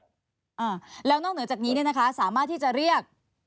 อ่าแล้วนอกเหนือจากนี้เนี่ยนะคะสามารถที่จะเรียก